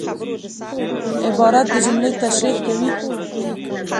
عبارت د جملې تشریح کوي.